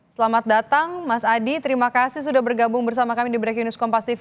selamat datang mas adi terima kasih sudah bergabung bersama kami di breaking news kompas tv